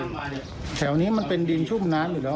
ถ้ามันหลุดเรื่อยแถวนี้มันเป็นดินชุ่มน้ำอยู่แล้ว